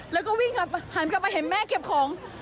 แล้วก็วิ่งหันกลับมาเห็นแม่เก็บของ